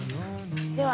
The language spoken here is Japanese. では。